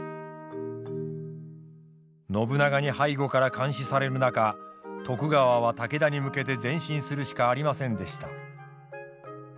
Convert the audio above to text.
信長に背後から監視される中徳川は武田に向けて前進するしかありませんでした。